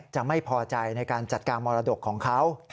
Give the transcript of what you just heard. จะไม่พอใจในการจัดการมรดกของเขา